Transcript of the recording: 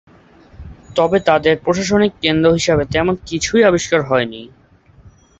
তবে তাদের প্রশাসনিক কেন্দ্র হিসেবে তেমন কিছুই আবিস্কৃত হয়নি।